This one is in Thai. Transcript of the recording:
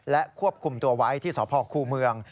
และควบคุมตัวไว้ที่สพคูเมือง